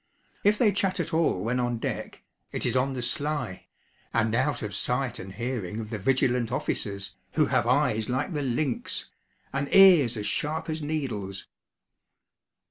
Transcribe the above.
If they chat at all when on deck, it is 'on the sly,' and out of sight and hearing of the vigilant officers, who have eyes like the lynx, and ears as sharp as needles.